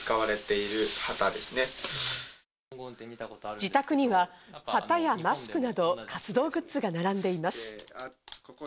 自宅には旗やマスクなど活動グッズが並んでいます。